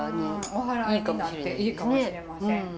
おはらいになっていいかもしれません。